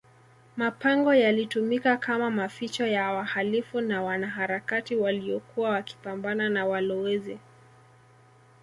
mapango yalitumika kama maficho ya wahalifu na wanaharakati waliyokuwa wakipambana na walowezi